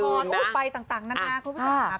เออไปต่างนานาคุณผู้ชายหลาย